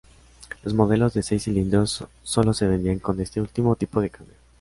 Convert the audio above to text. Los modelos de seis cilindros sólo se vendían con este último tipo de cambio.